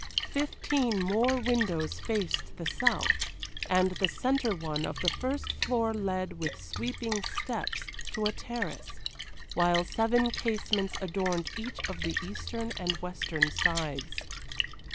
Fifteen more windows faced the south; and the centre one of the first floor led, with sweeping steps, to a terrace, while seven casements adorned each of the eastern and western sides.